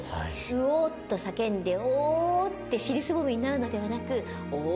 「ウォー」と叫んで「ォーー」って尻すぼみになるのではなく。